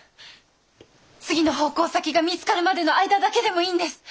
次の奉公先が見つかるまでの間だけでもいいんです。